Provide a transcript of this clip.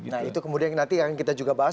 nah itu kemudian nanti akan kita juga bahas